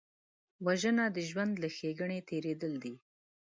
وژنه د ژوند له ښېګڼې تېرېدل دي